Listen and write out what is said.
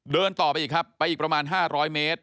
ต่อไปอีกครับไปอีกประมาณ๕๐๐เมตร